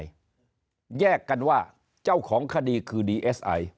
แยกกันว่าเจ้าของคดีคือดีเอสไอ